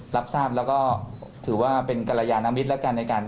รับทราบแล้วก็ถือว่าเป็นกรยานมิตรแล้วกันในการ